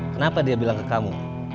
kenapa dia bilang ke kamu